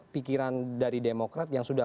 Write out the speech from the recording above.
pikiran dari demokrat yang sudah